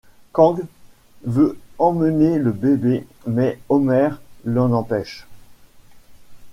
Kang veut emmener le bébé, mais Homer l'en empêche.